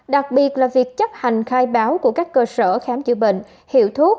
đặc biệt là việc chấp hành khai báo của các cơ sở khám chữa bệnh hiệu thuốc